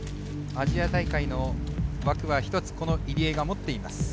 アジア大会の枠は１つ、入江が持っています。